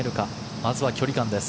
まずは距離間です。